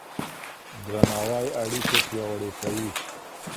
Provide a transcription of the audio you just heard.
درناوی اړيکې پياوړې کوي.